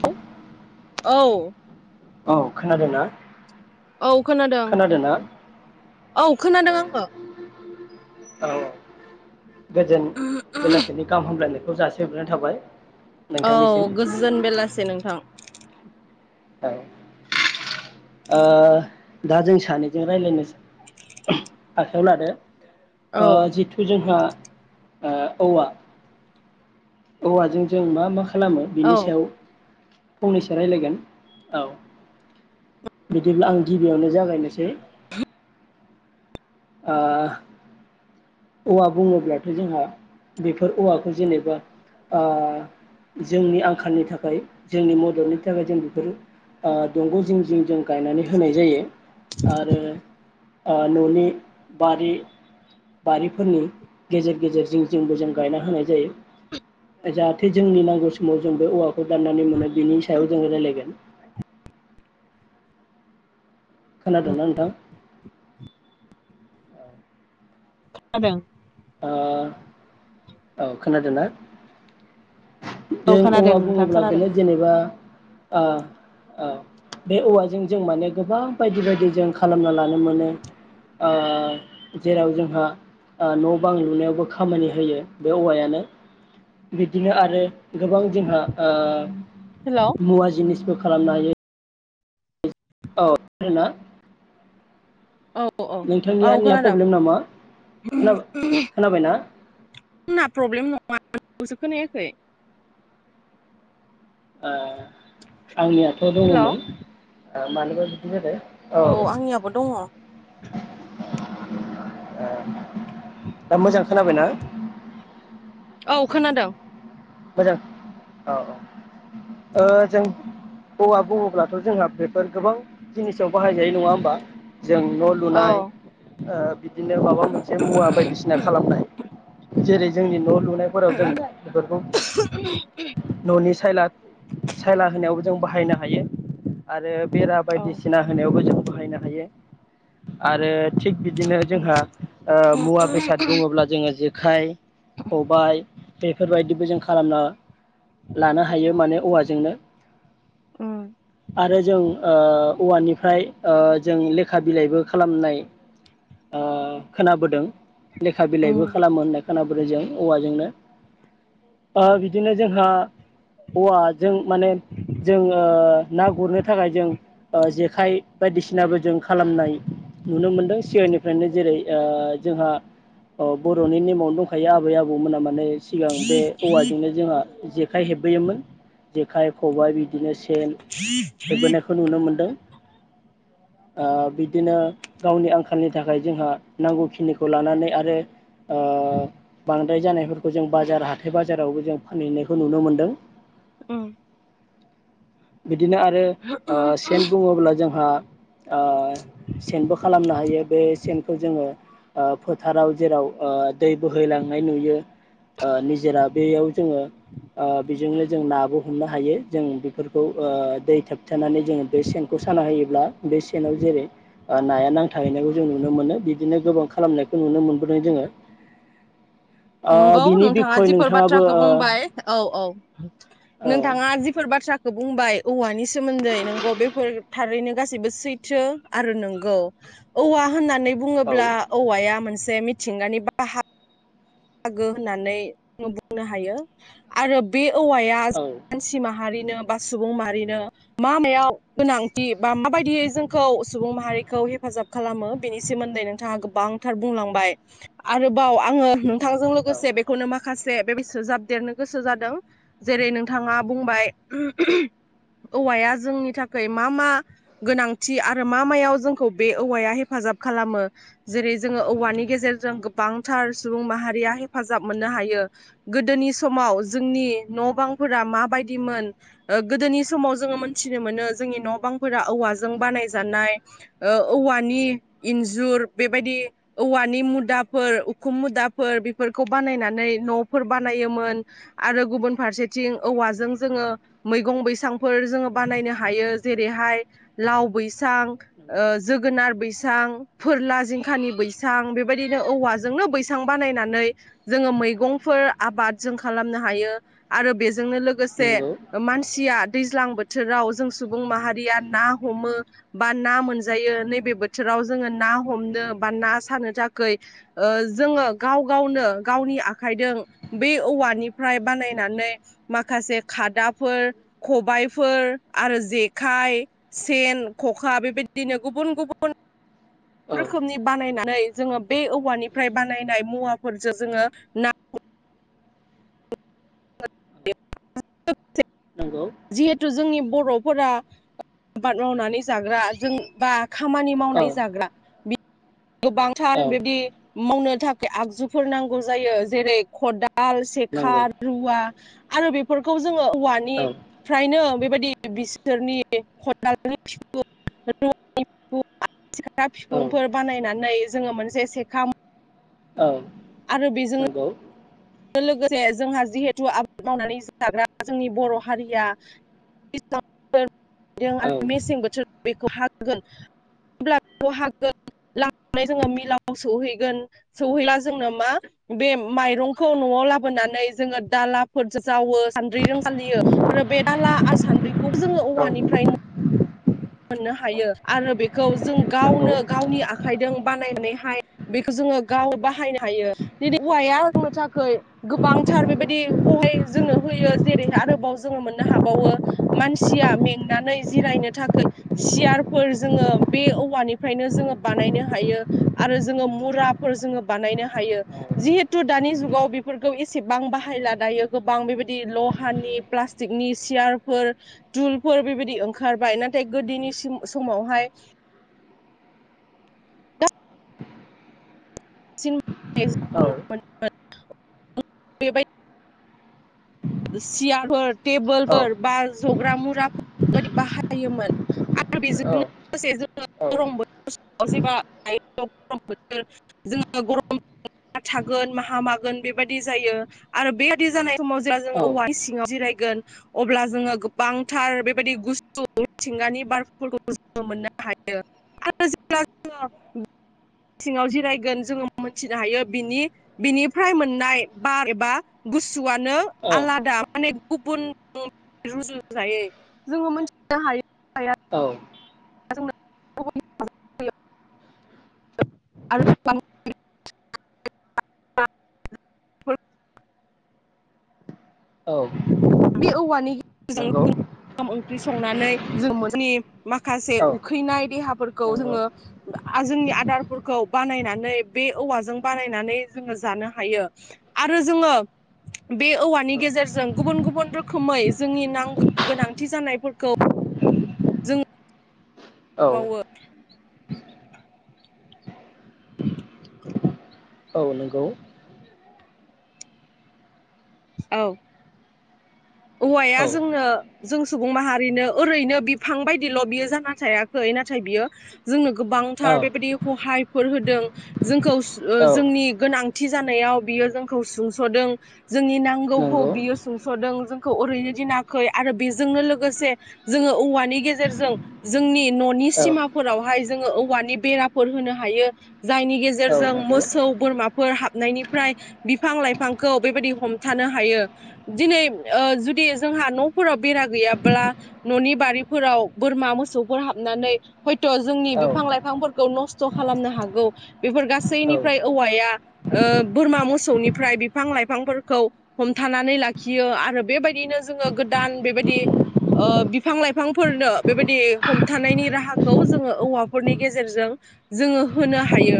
[unintelligible] औ औ खोनादोंना? औ खोनादों खोनादोंना औ खोनादों आङो। औ। गोजोन बेलासिनि गाहाम हामलाय [inaudible] जासि हरग्रोनाय थाबाय। औ नोंथांनिसिम गोजौजोन बेलासे नोंथां। औ ओ दा जों सानैजों रायलायनो आखायाव लादो। औ ओ जिथु जोंहा ओ औवा औवाजों जों मा मा खालामो औ बिनि सायाव फंनैसो रायजलायगोन औ बिदिब्ला आं गिबियावनो जागायनोसै। ओ औवा बुङोब्लाथ' जोंहा बेफोर औवाखौ जेनेबा ओ जोंनि आंखालनि थाखाय जोंनि मददनि थाखाय जों बेफोर ओ दंग' जिं जिं जों गायनानै होनाय जायो। आरो ओ न'नि बारि बारिफोरनि गेजेर गेजेरजों जोंबो जों गायना होनाय जायो। जाहाथे जोंनि नांगौ समाव जों बे औवाखौ दाननानै मोनो बिनि सायाव जोङो रायज्लायगोन। खोनादोंना नोंथां? खोनादों। अ औ खोनादों ना। औ जों खोनादों औवा नोंथां बुङोब्ला खोनादों गोले जेनेबा ओ ओ बे औवाजों जों माने गोबां बायदि बायदि जों खालामना लानो मोनो ओ जेराव जोंहा ओ न'। गोबां लुनायावबो खामानि होयो बे औवायानो बिदिनो आरो। गोबां जोंहा हेलौ ओ मुवा जिनिस फो खालामनो हायो। औ थायोना। औ औ औ नोंथांनिया नया खोनादों प्रब्लेम नामा खोना आंना खोनाबायना। आंखौसो खोनायाखै। ओ आंनियाथ' हेलौ दङमोन। ओ मानोबा बिदि जादो। औ ओ आंनियाबो दङ दा मोजां खोनाबायना? खोनादोंं। मोजां औ औ। ओ जों। औवा बुङोब्लाथ' जोंहा बेफोर गोबां जिनिसाव बाहायजायो नङा होमबा? जों न' औ लुनाय। ओ बि बिदिनो माबा मोनसे मुवा बायदिसिना खालामनाय। जेरै जोंनि न' लुन। दाफोराव जों बेफोरखौ। न'नि सायला सायला होनायाव। जों बाहायनो हायो आरो बेरा औ बायदिसिना होनायावबो जों बाहायनो हायो। आरो थिग बिदिनो उम जोंहा ओ मुवा बेसाद बुङोब्ला जोङो जेखाइ खबाय बेफोरबायदिबो जों खालामनाङा। लानो हायो माने औवाजोंनो उम आरो जों ओ औवानि। फ्राय ओ जों लेखा बिलाइबो खालामनाय खोनाबोदों। लेखा उम बिलाइबो खालामो होननाय। खोनाबोदोंजों औवाजोंनो। ओ बिदिनो जोंहा। औवाजों माने जोंङो ना गुरनो थाखाय जों ओ जेखाइ बायदिसिनाबो जों खालामनाय नुनो मोनदों सिगांनिफ्रायनो जेरै ओ जोंहा अ बर'नि नेमावनो दंखायो आबै आबौमोना माने। सिगां बे औवाजोंनो जोंहा जेखाइ हेबबोयोमोन जेखाइ खबाय बिद बिदिनो सेन हेबबोनायखौ नुनो मोनदों ओ बिदिनो गावनि आंखालनि थाखाय जोंहा नांगौखिनिखौ लानानै आरो ओ बांद्राय जानायफोरखौ जों बाजार हाथ हाथाय बाजारावबो जों फानहैनायखौ नुनो मोनदों। उम बिदिनो आरो ओ सेन बुङोब्ला जों आ ओ सेनबो खालामनो हायो बे सेनखौ जोङो ओ फोथाराव जेराव ओ दै बोहैलांनाय नुयो ओ निजोरा बेयाव जोङो ओ बेजोंनो जों नाबो हमनो हायो जों बेफोर खौ ओ दै थाब थानानै जोङो बे सेनखौ साना होयोब्ला बे सेनाव जेरै ओ नाया नांथाहैनायखौ जों नुनो मोनो बिदिनो गोबां खालामनायखौ नुनो मोनबोदों जोङो ओ नंगौ बिनि नोंथाङा बिखय जिफोर नोंथाङाबो बाथ्राखौ ओ बुंबाय औ औ नोंथाङा जिफोर बाथ्रा बुंबाय औवानि सोमोन्दै नोंगौ बेफोर थारैनो गासैबो सैथो आरो नोंगौ औवा होननानै औ बुङोब्ला औवाया मोन जे मिथिंगानि बाहा बाहागो होननानै जों बुंनो हायो आरो बे औवाया औ मानसि माहारि नो बा सुबुं माहारिनो मा मायाव गोनांथि बा माबायदियै जोंखौ सुबुं माहारिखौ हेफाजाब खालामो बेनि सोमोन्दै नोंथाङा गोबां खुथार बुंलांबाय आरोबाव आङो नों थांजों औ लोगोसे बेखौनो माखासे जे बेबायसो जाबदेरनो गोसो जादों जेरै नोंथाङा बुंबाय औवाया जोंनि थाखाय मा मा गोनांथि आरो मा मायाव जोंखौ बे औवाया हेफाजाब खालामो जेरै जोङो औवानि गेजेरजों गोबांथार सुबुं माहा रिया हेफाजाब मोननो हायो गोदोनि समाव जोंनि न' बांफोरा माबायदिमोन गोदोनि समाव जोङो मोनथिनो मोनो जोंनि न' बांफोरा औवाजों बानायजानाय ओ औवानि इन्जुर बेबायदि औवानि मुदाफोर उखुम मुदा फोर बेफोरखौ बानायनानै न'फोर बानायोमोन आरो गुबुन फारसेथिं औवाजों जोङो मैगं बैसांफोर जोङो बानायनो हायो जेरैहाय लाव बैसां ओ नंगौ जोगोनार बैसां फोरला जिंखानि बैसां बेबायदिनो औवाजोंनो बैसां बानायनानै जोङो मैगंफोर आबाद जों खालामनो हायो आरो बेजोंनो लोगो लोगोसे नंगौ मानसिया दैज्लां बोथोराव जों सुबुं माहारिया ना हमो बा ना मोनजायो नैबे बोथोराव जोङो ना हमनो बा ना सानो थाखै ओ जोङो गाव गावनो गावनि आखाइजों बे औवानिफ्राय बानायनानै माखासे खादाफोर खबायफोर आरो जेखाइ सेन ख'खा बेबायदिनो गुबुन गुबुन औ रोखोमनि बानायनाय नै जोङो बे औवानिफ्राय बानायनाय मुवाफोरजों जोङो ना नंगौ जिहेथु जोंनि बर'फोरा आबाद मावनानै जाग्रा जों बा खामानि औ मावनाय जाग्रा बिद गोबांथार औ बेबदि मावनो थाखाय आगजुफोर नांगौ जायो जेरै खदाल दाल सेखा नंगौ रुवा आरो बेफोरखौ जोङो औ औवानिफ्रायनो बेबायदि बिसोरनि खदालनि बिखुं रुवानि औ बिखुंफोर बानायनानै जोङो मोनसे सेखा औ आरो बेजों नंगौ लोगोसे जोंहा जिहेथु आबाद मावनानै जाग्रा जोंनि बर' हारिया [unintelligible] औ आरो मेसें बोथोर बेखौ हागोगोनब्ला बेखौ होन जोङो मिलावआव सौहैगोन सहैब्ला जोंनो मा बे माइरं खौ न'आव लाबोनानै जोङो दालाफोर जावो सान्द्रिजों सालियो आरो बे दाला आरो सानद्रि खौबो जोङो औ औवानिफ्राय मोननो हायो आरो बेखौ जों नंगौ गावनो गावनि आखाइजों बानायनानैहाय बेखौ जोङो गाव बाहायनो हायो दि औवाया आंनो थाखाय गोबांथार नंगौ बेबायदि हहाय जोंनो होयो जेरैहाय आरोबाव जोङो मोननो हाबावो मानसिया मेंनानै जिरायनो थाखाय खोय सियारफोर जोङो बे औवानिफ्रायनो जोङो बानायनो हायो आरो जोङो मुराफोर जोङो बानायनो हायो जिहेथु दानि जुगाव बेफोरखौ एसेबां बाहायला दायो गोबां बेबायदि लहानि प्लास्टिकनि सियारफोर थुलफोर बेबायदि ओंखारबाय नाथाय गोदोनि समावहाय सिम [unintelligible] [unintelligible] बेबाय सियारफोर नंगौ औ थेबोलफोर बा मुरा मुराफोरबायदि बाहायोमोन आरो औ बेजोंनो लोगोसे जोंङो गरम बोथोर जेबा [unintelligible] बोर जोङो गरम थागोन माहा मागोन बेबायदि जायो आरो बेबायदि जानाय समाव जों औवा सिङाव जिराय गोन अब्ला जोङो गोबांथार बेबायदि गुसु मिथिंगानि बारफोरखौ जोङो मोननो हायो आरो जेब्ला जोङो सिङाव जिरायगोन जोङो मोनथिनो हायो बिनि बिनिफ्राय मोननाय बार एबा गुसुआनो औ आलादा माने गुबुन जों रुजुजायै जोंङो मिथिनो हायो औ [unintelligible] औ बे औवानि गेजेरजों ओखाम ओंख्रि संनानै जों नि माखासे औ उखैनाय देहाफोरखौ नंगौ जोङो जोंनि आदारफोरखौ बानायनानै बे औवाजों बानायनानै जोङो जानो हायो आरो जोङो बे औवानि औ गेजेरजों गुबुन गुबुन गुबुन रोखोमै जोंनि नांगौ गोनांथि जानायफोरखौ जों औ बावो औ नोंगौ औ औ औवाया जोंनो जों सुबुं माहारिनो ओरैनो बिफां बायदिल' बियो जाना थायाखै नाथाय बियो जोंनो औ गोबांथार बेबायदि हहाय फोर होदों जों खौ औ जोंनि गोनां थि जानायाव बियो जोंखौ सुंस'दों जोंनि नांगौखौ नंगौ बियो सुंस'दों जोंखौ ओरैनो दिनाखै आरो बेजोंनो लोगोसे जोङो औवानि गेजेरजों जोंनि न'नि औ सिमाफोरावहाय जोङो औवानि बेराफोर होनो हायो जायनि औ गेजेरजों नंगौ मोसौ बोरमाफोर हाबनायनिफ्राय बिफां लाइफांखौ बेबायदि हमथानो हायो दिनै ओ जुदि जोंहा न'फोराव बेरा गैयाब्ला न'नि बारिफोराव बोरमा मोसौफोर हाबनानै हयथ' जोंनि औ बिफां लाइफांफोरखौ नस्थ' खालामनो हागौ बेफोर औ गासैनिफ्राय औवाया ओ बोरमा मोसौनिफ्राय बिफां लाइफां फोर खौ हमथानानै लाखियो आरो बेबायदिनो जोङो गोदान बेबायदि ओ बिफां लाइफांफोरनो बेबायदि हमथानायनि राहाखौ जोङो औवाफोरनि गेजेरजों जोङो होनो हायो।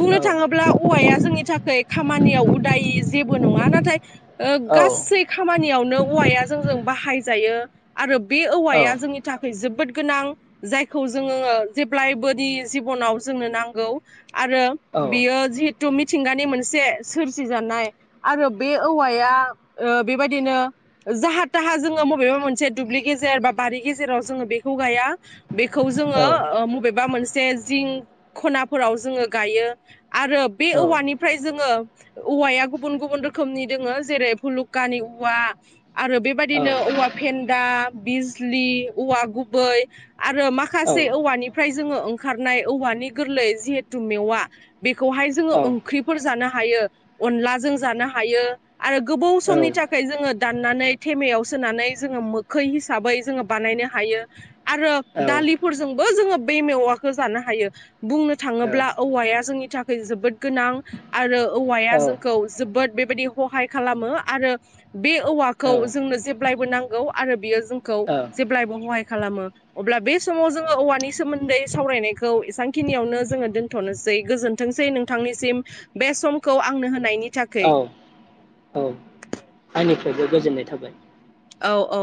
बुंनो थाङोब्ला औवाया जोंनि थाखाय खामानियाव उदायि जेबो नङा नाथाय ओ औ गासै खामानियावनो औवाया जोंजों बाहायजायो आरो बे औवाया जोंनि थाखाय जोबोद गोनां जायखौ जोङो जेब्लायबोनि जिबनाव जोंनो नांगौ आरो बियो जिहेथु मिथिंगानि मोनसे सोरजिजानाय आरो बे औवाया बेबायदिनो जाहा थाहा जोङो बबेबा मोनसे दुब्लि गेजेर बा बारि गेजेराव जोङो बेखौ गाया बेखौ जोङो ओ मबे बा मोनसे जिं खनाफोराव जोङो गायो आरो बे औवानिफ्राय जोङो औवाया गुबुन गुबुन रोखोमनि दोङो जेरै फुलुकानि औवा आरो बेबायदिनो औवा फेन्दा बिजलि औवा गुबै आरो माखासे औवानिफ्राय जोङो ओंखारनाय औवानि गोरलै जिहेथु मेवा बेखौहाय जोङो ओंख्रिफोर जानो हायो अनलाजों जानो हायो आरो गोबाव औ समनि थाखाय जोङो दाननानै थेमायाव सोनानै जोङो मोखै हिसाबै जोङो बानायनो हायो आरो औ औ दालिफोरजोंबो जोङो बे मेवाखौ जानो हायो बुंनो औ थाङोब्ला औवाया जोंनि थाखाय जोबोद गोनां आरो औवाया जोंखौ जोबोद बेबायदि हहाय खालामो आरो बे औ औवाखौ जोंनो जेब्लायबो नांगौ आरो बियो जोंखौ औ जेब्लायबो हहाय खालामो अब्ला बे समाव जोङो औवानि सोमोन्दै सावरायनायखौ एसांखिनियावनो जोङो दोनथ'नोसै गोजोनथोंसै नोंथांनिसिम बे समखौ आंनो होनायनि थाखै। औ औ आंनिफ्रायबो गोजोननाय थाबाय औ औ